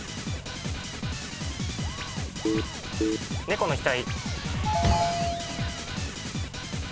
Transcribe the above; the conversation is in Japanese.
猫の額。